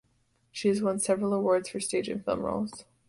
She has won several awards for stage and film roles.